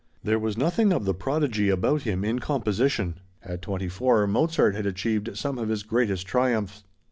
There was nothing of the prodigy about him in composition. At twenty four, Mozart had achieved some of his greatest triumphs.